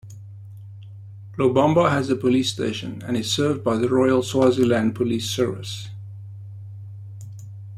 Lobamba has a police station and is served by The Royal Swaziland Police Service.